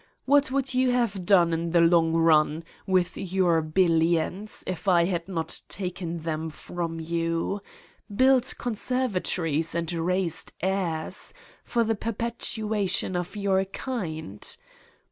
What would you have done, in the long run, with your billions, if I had not taken them from you ? Built conservatories and raised heirs for the perpetua tion of your kind?